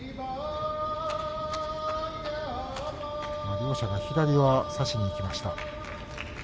両力士が左を差しにいきました。